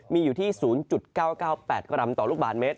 มีอยู่ที่๐๙๙๘กรัมต่อลูกบาทเมตร